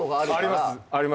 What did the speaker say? あります。